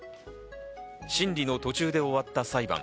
審理の途中で終わった裁判。